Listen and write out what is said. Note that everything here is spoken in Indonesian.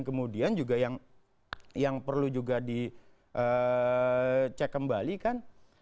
kemudian juga yang perlu juga dicek kembali kan